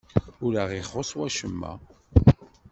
Ur aɣ-ixuṣṣ wacemma.